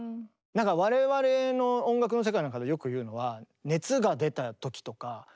我々の音楽の世界なんかでよく言うのはえ。